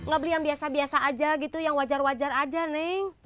gak beli yang biasa biasa aja gitu yang wajar wajar aja nih